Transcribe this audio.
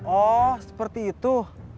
oh seperti itu